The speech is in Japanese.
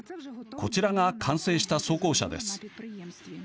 こちらが完成した装甲車です。